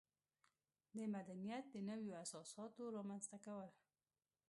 د مدنیت د نویو اساساتو رامنځته کول.